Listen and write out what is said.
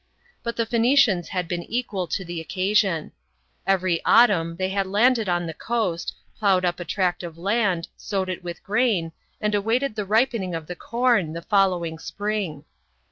But'the Phoenicians had been equal to the occasion. Every autumn they had landed on the coast, ploughed up a tract of land, sowed it with grain, and awaited the ripening of the corn the following spring.